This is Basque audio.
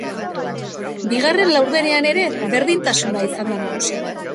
Bigarren laurdenean ere berdintasuna izan da nagusi.